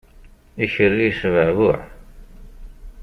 Ikerri yesbeɛbuɛ.